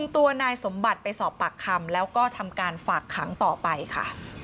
ตัวนายสมบัติไปสอบปากคำแล้วก็ทำการฝากขังต่อไปค่ะ